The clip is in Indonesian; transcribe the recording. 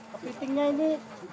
kepitingnya ini empat puluh